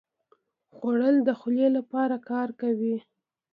خوړل د خولې لپاره کار کوي